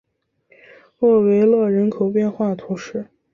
厄维勒人口变化图示